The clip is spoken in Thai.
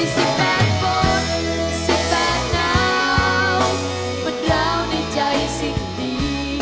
สิบแปดคนสิบแปดหนาวมันดาวในใจสิ่งดี